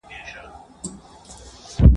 چی لېوه او خر له کلي را گوښه سول ..